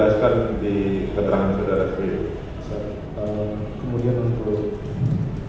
saya kemudian untuk